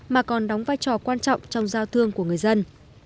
mà còn đóng vai trò quan trọng trong giao thương của người dân